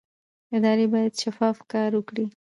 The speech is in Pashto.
ادارې باید شفاف کار وکړي